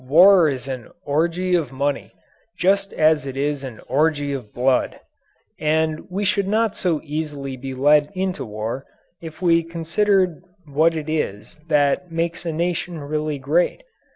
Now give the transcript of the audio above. War is an orgy of money, just as it is an orgy of blood. And we should not so easily be led into war if we considered what it is that makes a nation really great.